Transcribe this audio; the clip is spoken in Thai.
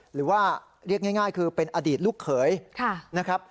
หรือว่าเรียกง่ายคือเป็นอดีตลูกเขยนะครับ